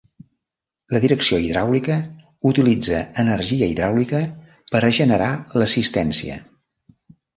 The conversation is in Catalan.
La direcció hidràulica utilitza energia hidràulica per a generar l'assistència.